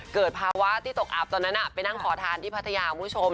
เกิดภาวะที่ตกอับตอนนั้นไปนั่งขอทานที่พัทยาคุณผู้ชม